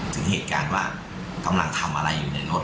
ถึงเหตุการณ์ว่ากำลังทำอะไรอยู่ในรถ